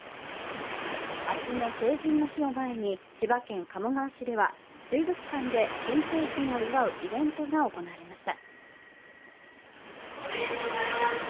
明日の成人の日を前に千葉県鴨川市では、水族館で新成人を祝うイベントが行われました。